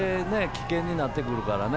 危険になってくるからね。